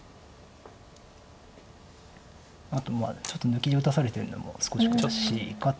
あとちょっと抜きで打たされてるのも少し悔しいかと。